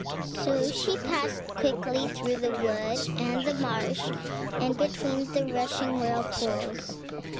So she passed quickly through the wood and the marsh, and between the rushing whirlpools.